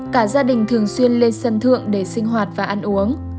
cả gia đình thường xuyên lên sân thượng để sinh hoạt và ăn uống